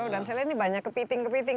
dan selain ini banyak kepiting kepiting